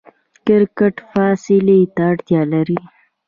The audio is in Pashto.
حرکت فاصلې ته اړتیا لري.